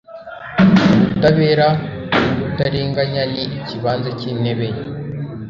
ubutabera n’ubutarenganya ni ikibanza cy’intebe ye